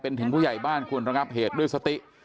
เป็นถึงผู้ใหญ่บ้านควรระงับเหตุด้วยสติ